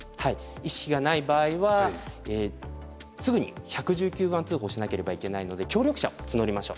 意識がない場合はすぐに１１９番通報しなければいけないので協力者を募りましょう。